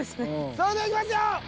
それではいきますよ。